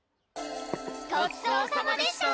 ごちそうさまでした！